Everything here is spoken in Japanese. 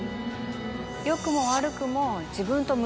よくも悪くも。